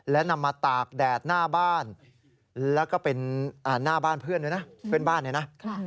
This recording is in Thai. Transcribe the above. และนำมาตากแดดหน้าบ้านแล้วก็เป็นหน้าบ้านเพื่อนด้วยนะเพื่อนบ้านเนี่ยนะ